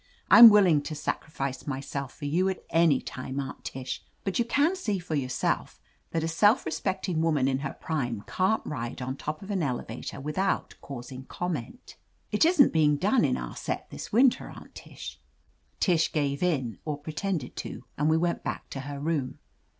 "I'm will ing to sacrifice myself for you any time. Aunt Tish, but you can see for yourself that a self respecting woman in her prime can't ride on top of an elevator without causing comment i8i THE AMAZING ADVENTURES It isn't being done in our set this winter. Aunt Tish." Tish gave in, or pretended to, and we went back to her room.